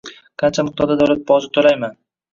qancha miqdorda davlat boji to‘layman?